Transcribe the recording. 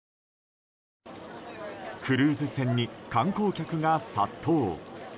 クルーズ船に観光客が殺到。